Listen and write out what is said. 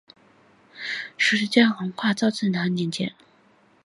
时间横跨明治至昭和年间。